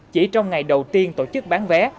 chỉ trong ngày đầu tiên tổ chức bán vé